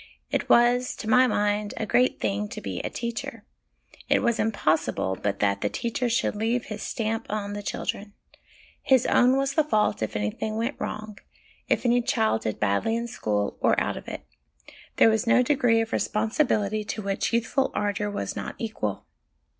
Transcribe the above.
It was to my mind a great thing to be a teacher; it was impossible but that the teacher should leave his stamp on the children. His own was the fault if anything went wrong, if any child did badly in school or out of it. There was no degree of responsibility to which youthful ardour was not equal.